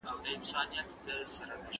جنازه مي ور اخیستې کندهار په سترګو وینم